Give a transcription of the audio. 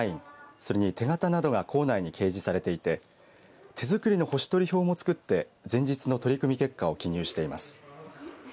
それに手形などが校内に掲示されていて手作りの星取り表も作って前日の取組結果を記入しています。